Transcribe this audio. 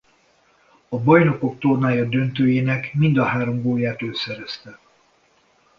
A Bajnokok Tornája döntőjének mind a három gólját ő szerezte.